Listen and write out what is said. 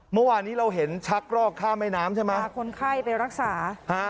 เมื่อวานนี้เราเห็นชักรอกข้ามแม่น้ำใช่ไหมพาคนไข้ไปรักษาฮะ